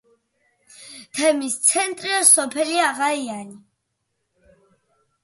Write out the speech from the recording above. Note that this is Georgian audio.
თემის ცენტრია სოფელი აღაიანი.